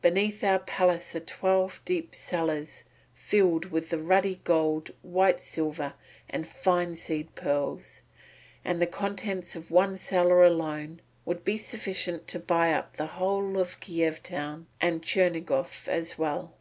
Beneath our palace are twelve deep cellars filled with ruddy gold, white silver, and fine seed pearls, and the contents of one cellar alone would be sufficient to buy up the whole of Kiev town and Chernigof as well."